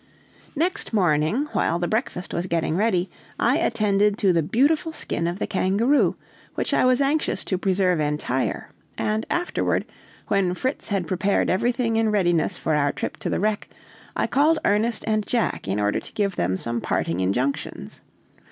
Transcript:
Next morning, while the breakfast was getting ready, I attended to the beautiful skin of the kangaroo, which I was anxious to preserve entire; and afterward, when Fritz had prepared everything in readiness for our trip to the wreck, I called Ernest and Jack in order to give them some parting injunctions.